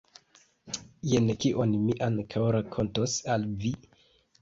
Jen kion mi ankaŭ rakontos al vi.